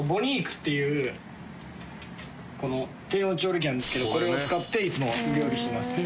っていうこの低温調理器なんですけどこれを使っていつも料理してます。